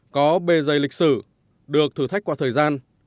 có bề dày lịch sử được thử thách qua thời gian